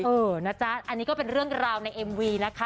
เออนะจ๊ะอันนี้ก็เป็นเรื่องราวในเอ็มวีนะคะ